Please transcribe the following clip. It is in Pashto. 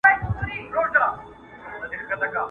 چي پر قام دي خوب راغلی په منتر دی!!..